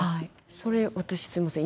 それ私すいません